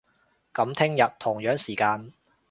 噉聽日，同樣時間